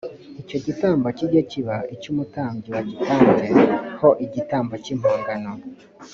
icyo gitambo kijye kiba icy umutambyi wagitambye ho igitambo cy impongano